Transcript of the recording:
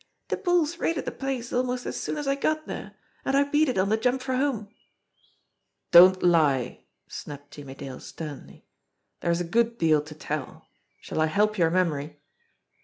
"De bulls raided de place almost as soon as I got dere, an' I beat it on de jump for home." "Don't lie!" snapped Jimmie Dale sternly. "There is a good deal to tell! Shall I help your memory?"